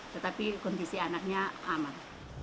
tetapi kondisi anaknya aman